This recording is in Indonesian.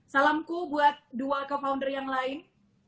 salamku buat dua co founder yang lain